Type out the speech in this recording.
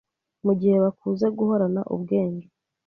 mu gihe bakuze guhorana ubwenge